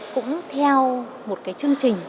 cũng theo một chương trình